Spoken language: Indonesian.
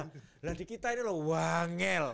nah di kita ini loh wangel